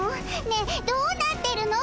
ねえどうなってるの？